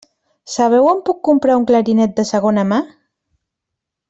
Sabeu on puc comprar un clarinet de segona mà?